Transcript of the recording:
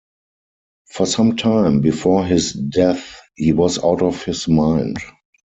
For some time before his death he was out of his mind.